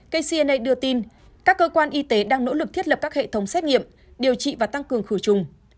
kcna đưa tin các cơ quan y tế đang nỗ lực thiết lập các hệ thống xét nghiệm điều trị và tăng cường khử trùng